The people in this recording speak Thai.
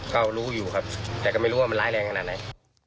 ก็รู้อยู่ครับแต่ก็ไม่รู้ว่ามันร้ายแรงขนาดไหน